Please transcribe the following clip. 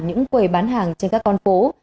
những quầy bán hàng trên các con phố